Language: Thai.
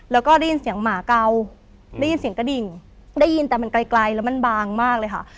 แล้วก็ได้ยินเสียงหมาเก่าได้ยินเสียงกระดิ่งได้ยินแต่มันไกลแล้วมันบางมากเลยค่ะ